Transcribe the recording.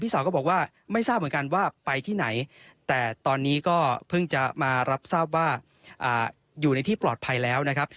สาวก็บอกว่าไม่ทราบเหมือนกันว่าไปที่ไหนแต่ตอนนี้ก็เพิ่งจะมารับทราบว่าอยู่ในที่ปลอดภัยแล้วนะครับ